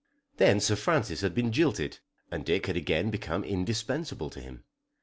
Then Sir Francis had been jilted, and Dick had again become indispensable to him.